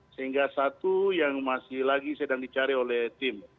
sehingga satu yang masih lagi sedang dicari oleh tim